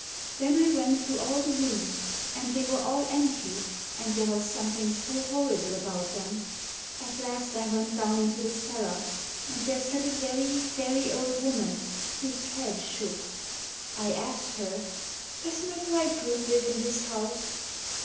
Then I went through all the rooms, and they were all empty, and there was something so horrible about them! At last I went down into the cellar, and there sat a very very old woman, whose head shook; I asked her, 'Does my bridegroom live in this house?